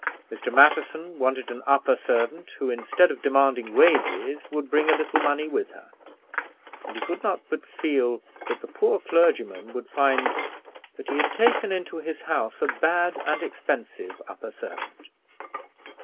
Mr. Matterson wanted an upper servant who instead of demanding wages, would bring a little money with her, and he could not but feel that the poor clergyman would find that he had taken into his house a bad and expensive upper servant.